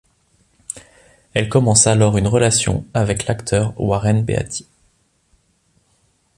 Elle commence alors une relation avec l'acteur Warren Beatty.